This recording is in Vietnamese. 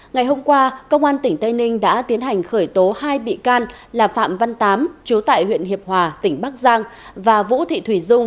ngày hôm qua công an tỉnh tây ninh đã tiến hành khởi tố hai bị cắp tài sản